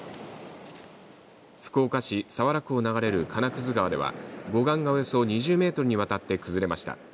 福岡市早良区を流れる金屑川では護岸がおよそ２０メートルにわたって崩れました。